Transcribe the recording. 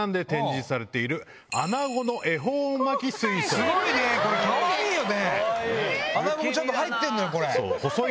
すごいね！これかわいいよね！